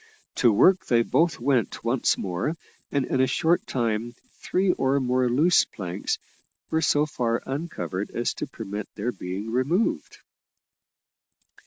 To work they both went once more, and in a short time three more loose planks were so far uncovered as to permit of their being removed.